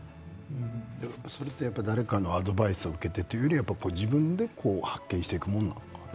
それは誰かのアドバイスを受けていたよりは自分で発見していくものなのかな？